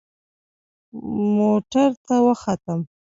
موټر ته وختم.